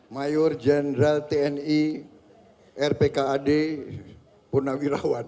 mayor general tni rpkad purnamirawan